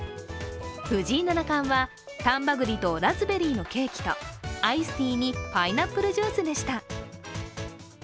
藤井七冠は、丹波栗とラズベリーのケーキとアイスティーに、パイナップルジュースでした。